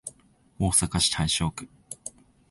大阪市大正区